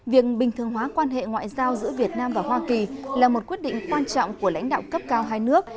việc bình thường hóa quan hệ ngoại giao giữa việt nam và hoa kỳ là một quyết định quan trọng của lãnh đạo cấp cao hai nước